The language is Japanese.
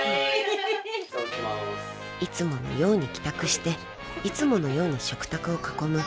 ［いつものように帰宅していつものように食卓を囲む